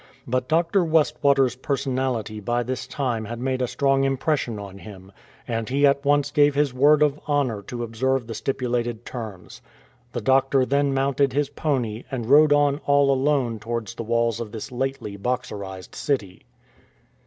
But Dr. Westwater's personality by this time had made a strong impression on him, and he at once gave his word of honour to observe the stipulated terms. The doctor then mounted his pony, and rode on all alone towards the walls of this lately Boxerised city.